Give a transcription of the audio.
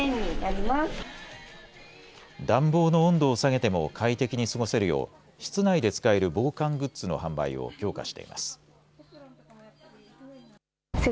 暖房の温度を下げても快適に過ごせるよう室内で使える防寒グッズの販売を強化しています。